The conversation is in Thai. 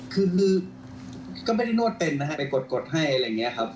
คือก็ไม่ได้นวดเป็นนะฮะไปกดให้อะไรอย่างนี้ครับ